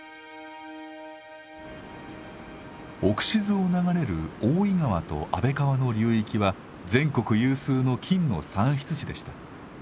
オクシズを流れる大井川と安倍川の流域は全国有数の金の産出地でした。